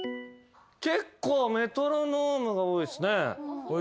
結構メトロノームが多いっすね。